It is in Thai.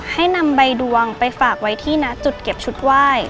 ให้นำใบดวงไปฝากไว้ที่ณจุดเก็บชุดไหว้